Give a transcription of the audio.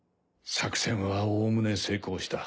作戦はおおむね成功した。